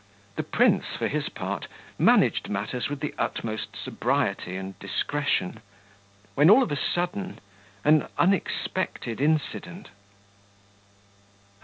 The prince, for his part, managed matters with the utmost sobriety and discretion, when, all of a sudden, an unexpected incident....